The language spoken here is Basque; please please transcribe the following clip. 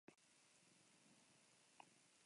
Zaragozak etxean hartu zuen Athletic taldea.